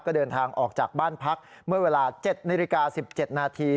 ก็เดินทางออกจากบ้านพักเมื่อเวลา๗นาฬิกา๑๗นาที